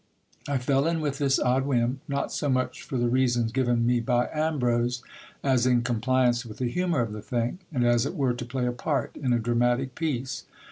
I fell in with this odd whim, not so much for the reasons given me by Ambrose, as in compliance with the humour of the thing, and as it were to play a part in a dramatic piece.